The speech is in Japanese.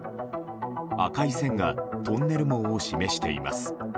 赤い線がトンネル網を示しています。